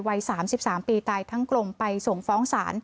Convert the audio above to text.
วัย๓๓ปีตายทั้งกลมไปส่งฟ้องศาล